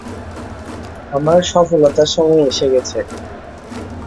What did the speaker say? আমার সফলতার সময় এসে গেছে।